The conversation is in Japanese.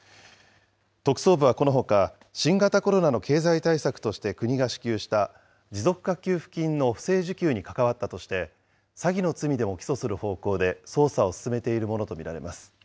特捜部はこのほか、新型コロナの経済対策として国が支給した持続化給付金の不正受給に関わったとして、詐欺の罪でも起訴する方向で捜査を進めているものと見られます。